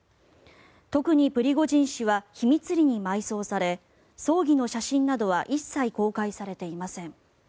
特にプリゴジン氏は秘密裏に埋葬され葬儀の写真などは一切公開されていません。